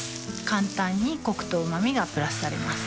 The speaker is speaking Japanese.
簡単にコクとうま味がプラスされます